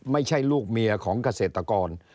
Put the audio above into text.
ไม่ใช่ลูกเมียของเกษตรกร